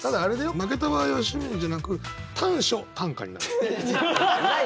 負けた場合は趣味じゃなく短所短歌になる。